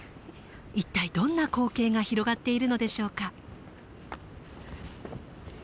一体どんな光景が広がっているのでしょうか。